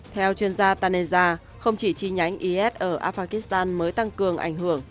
theo chuyên gia taneza không chỉ chi nhánh is ở afghanistan mới tăng cường ảnh hưởng